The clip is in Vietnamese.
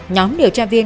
nhóm điều tra viên